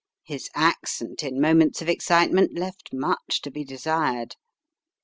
His accent, in moments of excitement, left much to be desired.